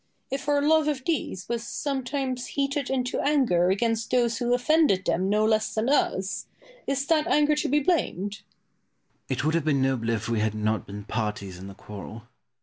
If our love of these was sometimes heated into anger against those who offended them no less than us, is that anger to be blamed? Pope. It would have been nobler if we had not been parties in the quarrel.